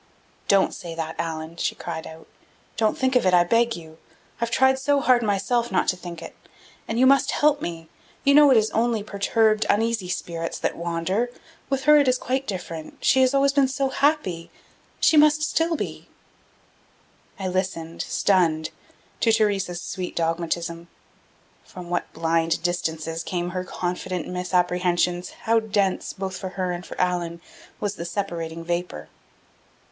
"Don't say that, Allan!" she cried out. "Don't think it, I beg of you! I've tried so hard myself not to think it and you must help me. You know it is only perturbed, uneasy spirits that wander. With her it is quite different. She has always been so happy she must still be." I listened, stunned, to Theresa's sweet dogmatism. From what blind distances came her confident misapprehensions, how dense, both for her and for Allan, was the separating vapor!